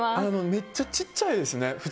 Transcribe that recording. めっちゃちっちゃいですね。